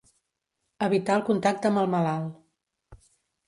Evitar el contacte amb el malalt.